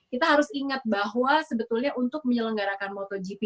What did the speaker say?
kita harus ingat bahwa sebetulnya untuk menyelenggarakan motogp